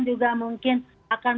juga mungkin akan